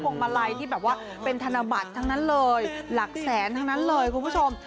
วงมาลัยที่แบบว่าเป็นธนบัตรทั้งนั้นเลยหลักแสนทั้งนั้นเลยคุณผู้ชม